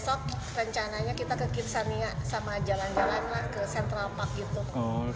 besok rencananya kita ke kitsania sama jalan jalan lah ke central park gitu